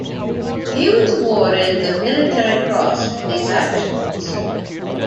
He was awarded the Military Cross for these actions.